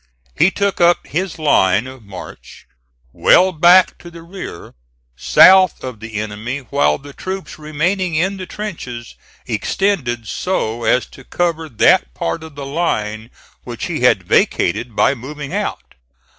He took up his line of march well back to the rear, south of the enemy, while the troops remaining in the trenches extended so as to cover that part of the line which he had vacated by moving out.